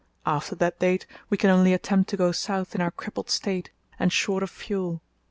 After that date we can only attempt to go south in our crippled state, and short of fuel.